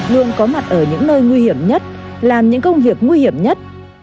luôn có mặt ở những nơi nguy hiểm nhất làm những công việc nguy hiểm nhất